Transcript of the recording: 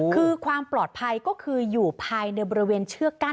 คือความปลอดภัยก็คืออยู่ภายในบริเวณเชือกกั้น